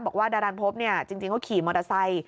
บอกว่าดารันพบจริงเขาขี่มอเตอร์ไซค์